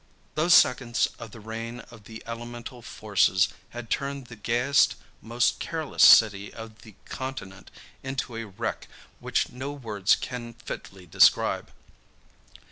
Those seconds of the reign of the elemental forces had turned the gayest, most careless city on the continent into a wreck which no words can fitly describe.